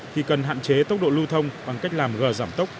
thì cần hạn chế tốc độ lưu thông bằng cách làm gờ giảm tốc